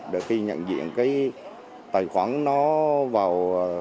để khi nhận diện cái tài khoản nó vào